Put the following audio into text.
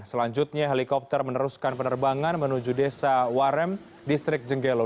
selanjutnya helikopter meneruskan penerbangan menuju desa warem distrik jenggelo